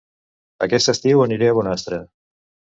Aquest estiu aniré a Bonastre